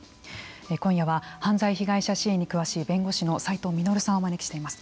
今夜は犯罪被害者支援に詳しい弁護士の齋藤実さんをお招きしています。